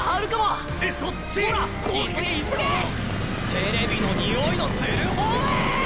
テレビのにおいのする方へ！